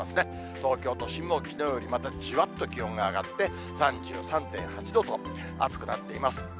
東京都心もきのうよりまたじわっと気温が上がって、３３．８度と、暑くなっています。